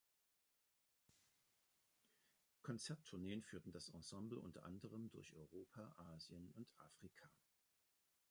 Konzerttourneen führten das Ensemble unter anderem durch Europa, Asien und Afrika.